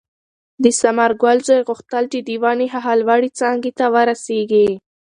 د ثمرګل زوی غوښتل چې د ونې هغې لوړې څانګې ته ورسېږي.